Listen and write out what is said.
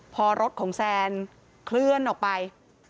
พอรถของแซนเคลื่อนออกไป